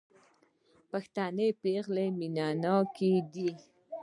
پښتنې پېغلې مينه ناکه دي